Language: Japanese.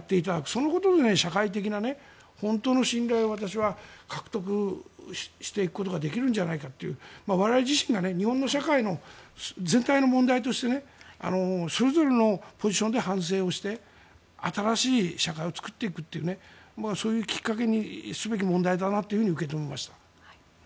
そのことで社会的な本当の信頼を私は獲得していくことができるんじゃないかという我々自身が日本の社会の全体の問題としてそれぞれのポジションで反省をして新しい社会を作っていくというそういうきっかけにすべき問題だなと受け止めました。